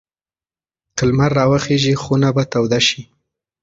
که لمر راوخېژي خونه به توده شي.